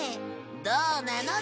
どうなの？